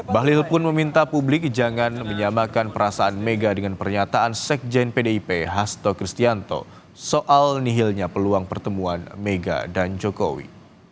bahlil pun meminta publik jangan menyamakan perasaan mega dengan pernyataan sekjen pdip hasto kristianto soal nihilnya peluang pertemuan mega dan jokowi